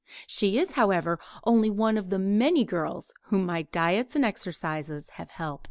She is, however, only one of many girls whom my diets and exercises have helped.